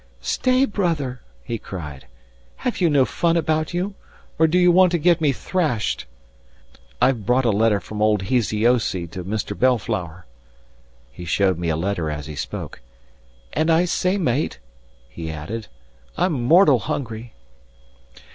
"Stay, brother!" he cried. "Have you no fun about you? or do you want to get me thrashed? I've brought a letter from old Heasyoasy to Mr. Belflower." He showed me a letter as he spoke. "And I say, mate," he added, "I'm mortal hungry."